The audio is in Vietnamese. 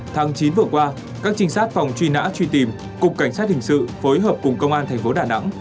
tháng chín vừa qua các trinh sát phòng truy nã truy tìm cục cảnh sát hình sự phối hợp cùng công an thành phố đà nẵng